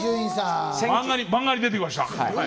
漫画に出てきました。